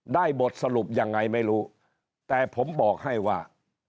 บทสรุปยังไงไม่รู้แต่ผมบอกให้ว่า